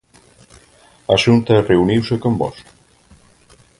A Xunta reuniuse con vós?